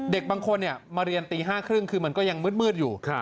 เด็กบางคนมาเรียนตี๕๓๐คือมันก็ยังมืดอยู่